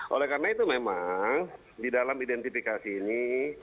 oleh karena itu memang di dalam identifikasi ini